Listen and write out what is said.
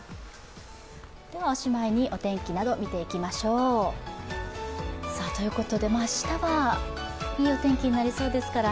おしまいにお天気など、見ていきましょう。ということで、明日はいいお天気になりそうですから、